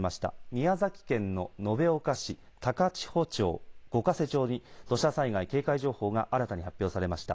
宮崎県の延岡市、高千穂町、五ヶ瀬町に土砂災害警戒情報が新たに発表されました。